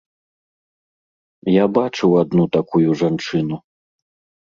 Я бачыў адну такую жанчыну.